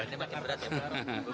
ini makin berat ya pak